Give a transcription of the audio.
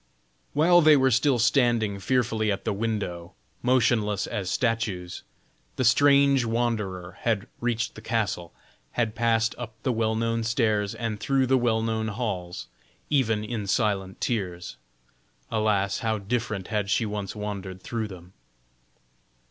While they were still standing fearfully at the window, motionless as statues, the strange wanderer had reached the castle, had passed up the well known stairs, and through the well known halls, ever in silent tears. Alas! how differently had she once wandered through them!